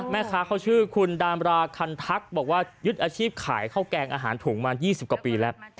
แม่ค้าเขาชื่อคุณดามราคันทักบอกว่ายึดอาชีพขายข้าวแกงอาหารถุงมา๒๐กว่าปีแล้ว